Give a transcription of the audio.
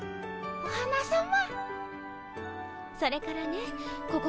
お花さま。